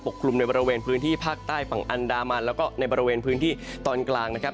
กลุ่มในบริเวณพื้นที่ภาคใต้ฝั่งอันดามันแล้วก็ในบริเวณพื้นที่ตอนกลางนะครับ